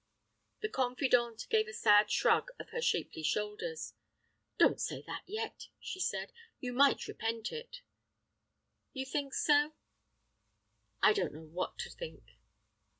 The confidante gave a sad shrug of her shapely shoulders. "Don't say that yet," she said; "you might repent of it." "You think so?" "I don't know what to think."